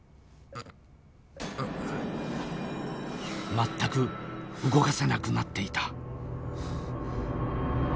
全く動かせなくなっていた。